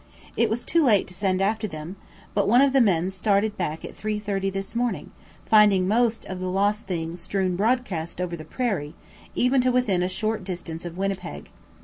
It was too late to send after them; but one of the men started back at 3:30 this morning, finding most of the lost things strewn broadcast over the prairie, even to within a short distance of Winnipeg.